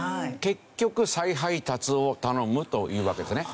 結局再配達を頼むというわけですね。